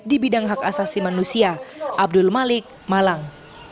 di bidang hak asasi manusia abdul malik malang